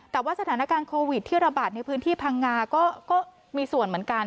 แต่ว่าสถานการณ์โควิดที่ระบาดในพื้นที่พังงาก็มีส่วนเหมือนกัน